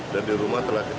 dan di rumah telah kita